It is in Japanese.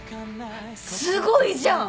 すごいじゃん！